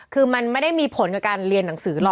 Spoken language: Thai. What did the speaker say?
คือมันไม่ได้มีผลกับการเรียนหนังสือหรอก